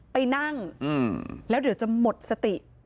ไปนั่งแล้วเดี๋ยวจะหมดสติ